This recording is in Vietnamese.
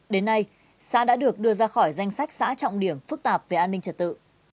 đến nay xã đã được đưa ra khỏi danh sách xã trọng điểm phức tạp về an ninh trật tự